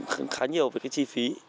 cũng khá nhiều về cái chi phí